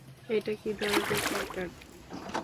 এটা কি ধরনের প্যাটার্ন?